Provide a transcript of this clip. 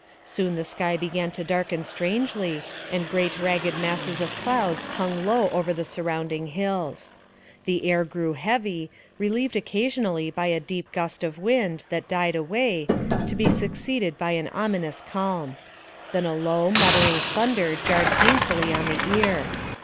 Soon the sky began to darken strangely, and great ragged masses of clouds hung low over the surrounding hills. The air grew heavy, relieved occasionally by a deep gust of wind, that died away, to be succeeded by an ominous calm. Then a low, muttering thunder jarred painfully on the ear.